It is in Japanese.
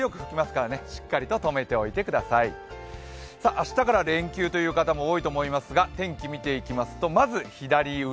明日から連休という方も多いと思いますが、天気を見ていきますと、まず左上。